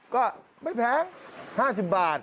ก็ไม่แพง๕๐บาท